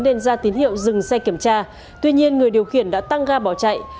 nên ra tín hiệu dừng xe kiểm tra tuy nhiên người điều khiển đã tăng ga bỏ chạy